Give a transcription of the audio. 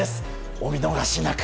お見逃しなく！